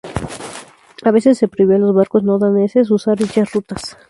A veces se prohibió a los barcos no daneses usar dichas rutas.